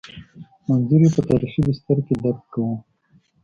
منظور یې په تاریخي بستر کې درک کوو.